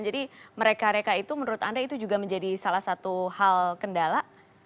jadi mereka reka itu menurut anda itu juga menjadi salah satu hal kendala